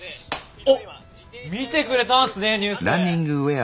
おっ見てくれたんっすねニュース。